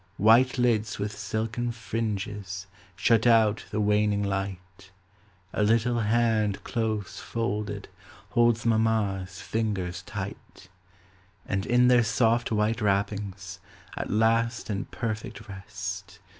White lids with silken fringes Shut out the waning light; A little hand close folded, Holds mamma's fingers tight; And in their soft white wrappings, At last in perfect rest.